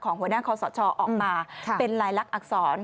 หัวหน้าคอสชออกมาเป็นลายลักษณอักษร